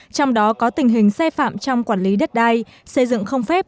trong đó có tình hình xe phạm trong quản lý đất đai xây dựng không phép